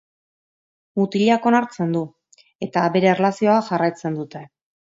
Mutilak onartzen du eta bere erlazioa jarraitzen dute.